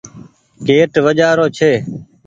گيٽ وآجرو ڇي۔